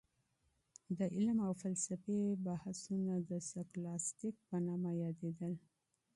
د علم او فلسفې بحثونه د سکولاستيک په نامه يادېدل.